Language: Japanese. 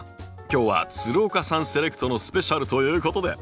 今日は岡さんセレクトのスペシャルということで。